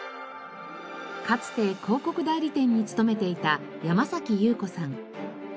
かつて広告代理店に勤めていた山優子さん。